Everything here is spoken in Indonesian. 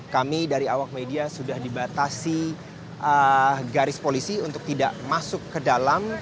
kami dari awak media sudah dibatasi garis polisi untuk tidak masuk ke dalam